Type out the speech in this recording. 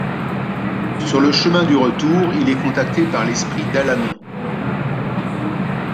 Sur le chemin du retour, il est contacté par l'esprit d'Allanon.